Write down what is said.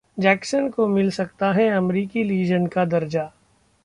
Jackson को मिल सकता है अमेरिकी लीजेंड का दर्जा